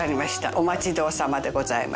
お待ちどおさまでございました。